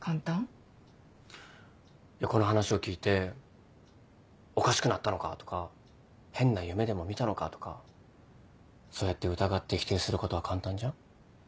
この話を聞いて「おかしくなったのか」とか「変な夢でも見たのか」とかそうやって疑って否定することは簡単じゃん？